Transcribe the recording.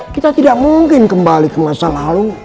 kita tidak mungkin kembali ke masa lalu